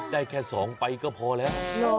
ได้แค่๒ใบก็พอแล้ว